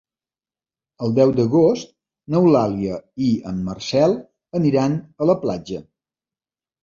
El deu d'agost n'Eulàlia i en Marcel aniran a la platja.